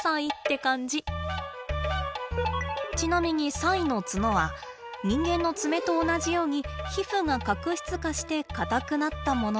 ちなみにサイの角は人間の爪と同じように皮膚が角質化して固くなったものです。